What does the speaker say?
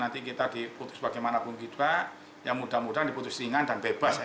nanti kita diputus bagaimanapun kita ya mudah mudahan diputus ringan dan bebas